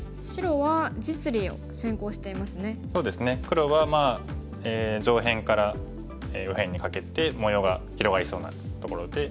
黒は上辺から右辺にかけて模様が広がりそうなところで。